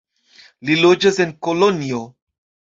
Li loĝas en Kolonjo.